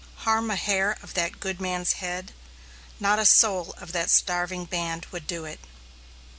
Harm a hair of that good man's head? Not a soul of that starving band would do it.